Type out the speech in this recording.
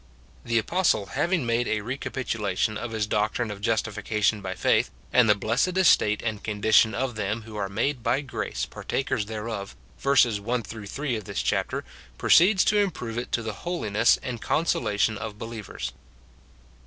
The apostle having made a recapitulation of his doc trine of justification by faith, and the blessed estate and condition of them who are made by grace partakers thereof, verses 1 3 of this chapter, proceeds to improve it to the holiness and consolation of believers.